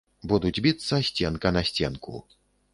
Будуць біцца сценка на сценку.